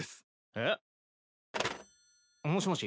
えっ？もしもし。